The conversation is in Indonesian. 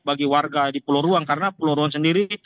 bagi warga di pulau ruang karena pulau ruang sendiri